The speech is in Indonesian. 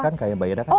kan kayak mbak ira kan